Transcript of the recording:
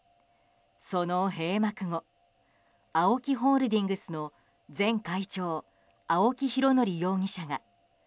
その閉幕後ＡＯＫＩホールディングスの前会長、青木拡憲容疑者がＡＯＫＩ